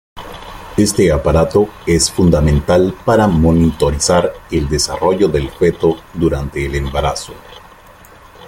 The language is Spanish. Este aparato es fundamental para monitorizar el desarrollo del feto durante el embarazo.